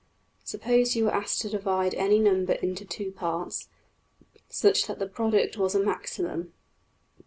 Suppose you were asked to divide any number into two parts, such that the product was a maximum?